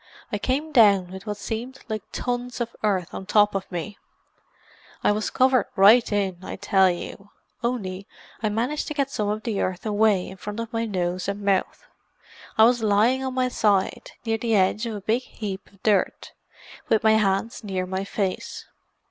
I came down with what seemed like tons of earth on top of me; I was covered right in, I tell you, only I managed to get some of the earth away in front of my nose and mouth. I was lying on my side, near the edge of a big heap of dirt, with my hands near my face.